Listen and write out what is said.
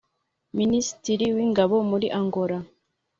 Minisitiri w’Ingabo muri Angola